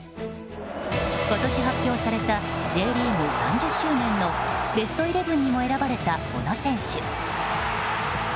今年発表されたＪリーグ３０周年のベストイレブンにも選ばれた小野選手。